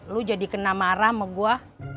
lu jadi kena marah sama gua